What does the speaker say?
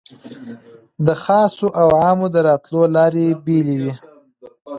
د خاصو او عامو د راتلو لارې سره بېلې وې.